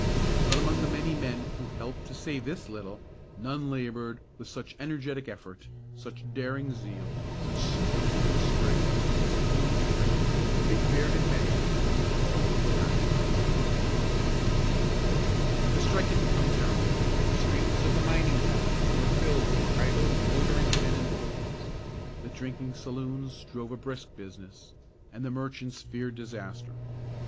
But among the many men who helped to save this little, none labored with such energetic effort, such daring zeal, such superhuman strength, as the huge framed, big bearded man they called Jack Rennie. The strike had become general. The streets of the mining towns were filled with idle, loitering men and boys. The drinking saloons drove a brisk business, and the merchants feared disaster.